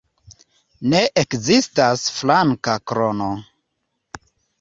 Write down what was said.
Ne ekzistas flanka krono.